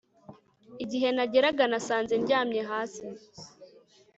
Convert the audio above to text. Igihe nageraga nasanze ndyamye hasi